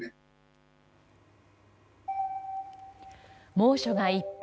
猛暑が一変。